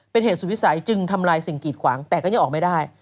เป็นเหตุสุดวิสัยจึงทำลายสิ่งกีดขวางแต่ก็ยังออกไม่ได้